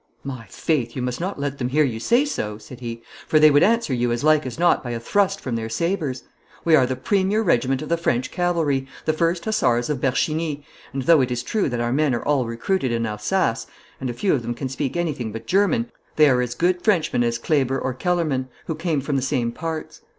'My faith, you must not let them hear you say so,' said he, 'for they would answer you as like as not by a thrust from their sabres. We are the premier regiment of the French cavalry, the First Hussars of Bercheny, and, though it is true that our men are all recruited in Alsace, and few of them can speak anything but German, they are as good Frenchmen as Kleber or Kellermann, who came from the same parts.